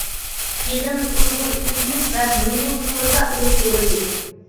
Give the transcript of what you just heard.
يىغىن ئۇيغۇر، ئىنگلىز ۋە موڭغۇل تىللىرىدا ئېلىپ بېرىلدى.